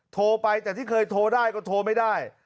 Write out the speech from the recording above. โทรไปแต่ที่เคยโทรได้ก็โทรไม่ได้